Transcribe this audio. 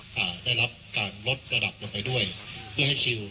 ล้ำปากการลดระดับลงไปด้วยเพื่อให้ศิลป์